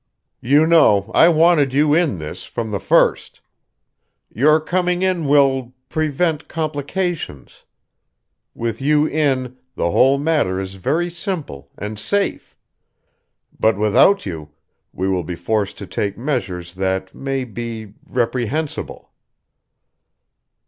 "You know, I wanted you in this, from the first. Your coming in will prevent complications. With you in, the whole matter is very simple, and safe.... But without you, we will be forced to take measures that may be reprehensible."